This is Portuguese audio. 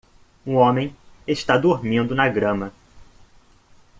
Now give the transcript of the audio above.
Um homem está dormindo na grama.